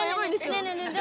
ねえねえねえねえ